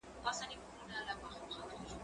زه بايد بوټونه پاک کړم